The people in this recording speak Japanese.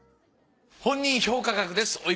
本人評価額です。